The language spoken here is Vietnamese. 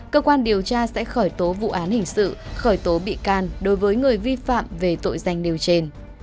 cơ quan điều tra sẽ khởi tố vụ án hình sự khởi tố bị can đối với người vi phạm về tội danh điều trên